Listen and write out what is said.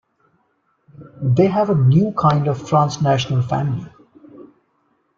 They have a new kind of transnational family.